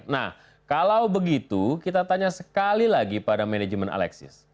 nah kalau begitu kita tanya sekali lagi pada manajemen alexis